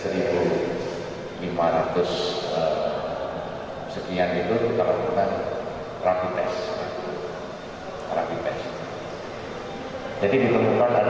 dari satu lima ratus sekian itu kita lakukan repit tes